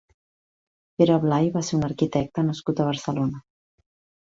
Pere Blai va ser un arquitecte nascut a Barcelona.